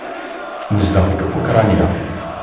Nezdeɣ deg Ukṛanya.